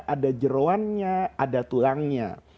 ada jeruannya ada tulangnya